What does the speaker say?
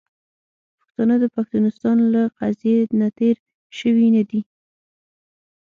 پښتانه د پښتونستان له قضیې نه تیر شوي نه دي .